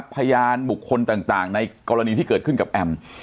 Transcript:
พยานบุคคลต่างในกรณีที่เกิดขึ้นกับแอม